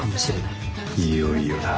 いよいよだ。